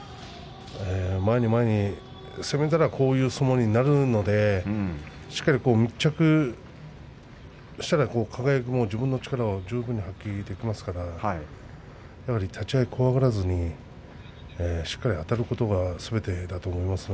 前に前に攻めたらこういう相撲になるのでしっかり密着してそうすると輝も自分の力を発揮できますからやはり立ち合いは怖がらずにしっかりあたることがすべてだと思いますね。